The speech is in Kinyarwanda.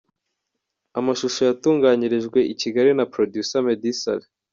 Amashusho yatunganyirijwe i Kigali na Producer Meddy Saleh.